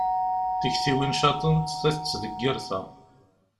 Tiktiwin caḍent, ta tettdeggir ta.